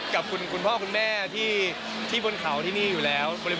กับคุณพ่อคุณแม่ที่บนเขาที่นี่อยู่แล้ว